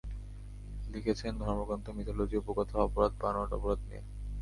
লিখেছেন ধর্মগ্রন্থ, মিথলজি, উপকথা, অপরাধ, বানোয়াট অপরাধ নিয়ে।